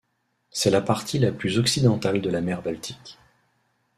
C'est la partie la plus occidentale de la mer Baltique.